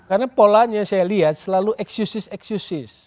karena polanya saya lihat selalu excuses excuses